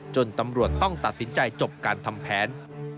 ตำรวจต้องตัดสินใจจบการทำแผน